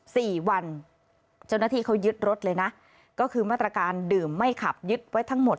สี่วันเจ้าหน้าที่เขายึดรถเลยนะก็คือมาตรการดื่มไม่ขับยึดไว้ทั้งหมด